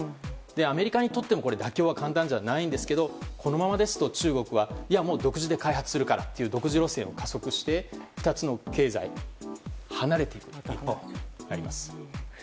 アメリカにとっても妥協は簡単じゃないですがこのままですと中国はいや、もう独自で開発するからという独自路線を加速して２つの経済は離れていく一方になります。